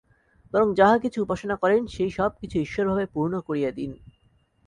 বরং যাহা কিছু উপাসনা করেন, সেই সব কিছু ঈশ্বরভাবে পূর্ণ করিয়া দিন।